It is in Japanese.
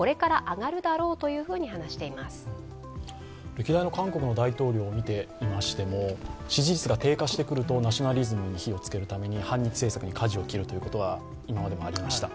歴代の韓国の大統領を見ていましても支持率が低下してくるとナショナリズムに火をつけるために反日政策にかじを切るということが今までもありました。